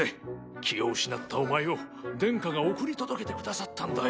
気を失ったお前を殿下が送り届けてくださったんだよ。